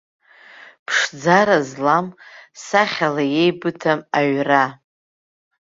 Ԥшӡара злам, сахьала еибыҭам аҩра.